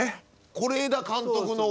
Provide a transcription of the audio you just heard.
是枝監督の。